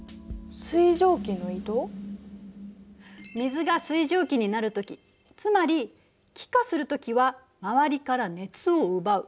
水が水蒸気になる時つまり気化する時は周りから熱を奪う。